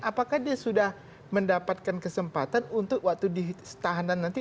apakah dia sudah mendapatkan kesempatan untuk waktu di tahanan nanti